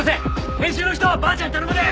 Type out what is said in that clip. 編集の人ばあちゃん頼むで！